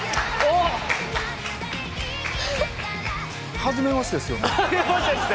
はじめましてですね。